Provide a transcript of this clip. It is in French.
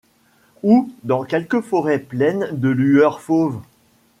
Ou dans quelque forêt pleine de-lueurs fauves ?